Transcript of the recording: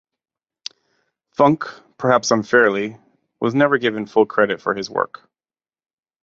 Funk, perhaps unfairly, was never given full credit for his work.